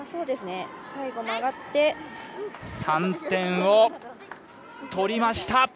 ３点を取りました！